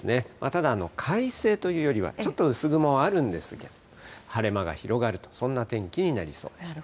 ただ、快晴というよりは、ちょっと薄雲はあるんですが、晴れ間が広がると、そんな天気になりそうです。